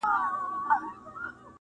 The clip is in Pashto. او د هغه عالي مفاهیم -